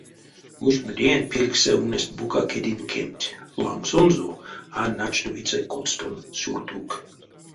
Ушмодеенть пильгсэ ульнесть бука кедень кемть, лангсонзо — а начтовиця коцтонь сюртук.